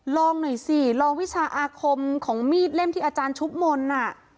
ลองหน่อยสิลองวิชาอาคมของมีดเล่มที่อาจารย์ชุบมนต์